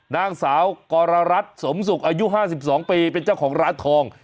นางสาวกรรัฐสมศุกร์อายุ๕๒ปีเป็นเจ้าของร้านทอง